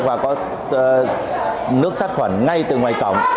và có nước sát khuẩn ngay từ ngoài cổng